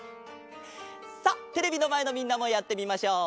さっテレビのまえのみんなもやってみましょう！